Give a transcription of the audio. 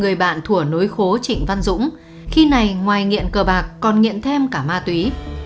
người bạn thủa nối khố trịnh văn dũng khi này ngoài nghiện cờ bạc còn nghiện thêm cả ma túy